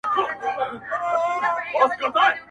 قلا د مېړنو ده څوک به ځي څوک به راځي-